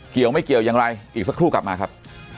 เกี่ยวไม่เกี่ยวอย่างไรอีกสักครู่กลับมาครับ